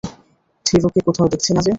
থিরুকে কোথাও দেখছি না যে?